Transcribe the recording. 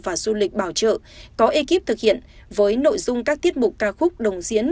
và du lịch bảo trợ có ekip thực hiện với nội dung các tiết mục ca khúc đồng diễn